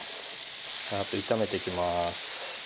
さーっと炒めていきます。